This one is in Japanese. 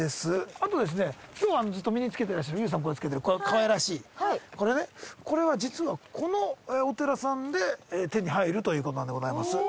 あと今日ずっと身につけてらっしゃるＹＯＵさんもつけてらっしゃるかわいらしいこれねこれは実はこのお寺さんで手に入るということなんです